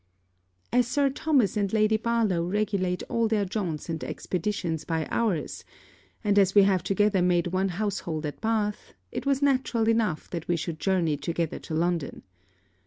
As Sir Thomas and Lady Barlowe regulate all their jaunts and expeditions by ours, and as we have together made one household at Bath, it was natural enough that we should journey together to London.